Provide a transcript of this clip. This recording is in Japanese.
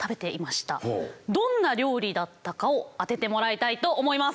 どんな料理だったかを当ててもらいたいと思います。